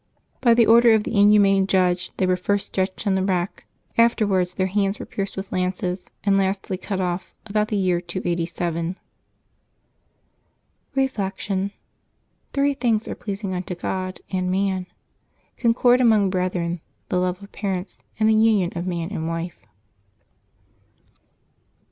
By the order of the inhuman judge they were first stretched on the rack, afterwards their hands were pierced with lances, and lastly cut off, about the year 287. Reflection. — Three things are pleasing unto God and man : concord among brethren, the love of parents, and the union of man and wife.